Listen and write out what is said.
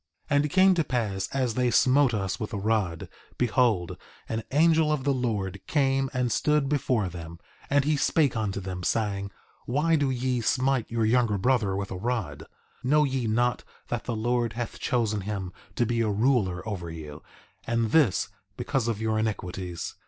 3:29 And it came to pass as they smote us with a rod, behold, an angel of the Lord came and stood before them, and he spake unto them, saying: Why do ye smite your younger brother with a rod? Know ye not that the Lord hath chosen him to be a ruler over you, and this because of your iniquities?